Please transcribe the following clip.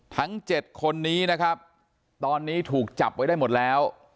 ทั้ง๗คนนี้นะครับตอนนี้ถูกจับไว้ได้หมดแล้ว